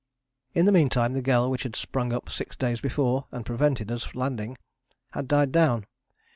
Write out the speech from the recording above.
In the meantime the gale which had sprung up six days before and prevented us landing had died down.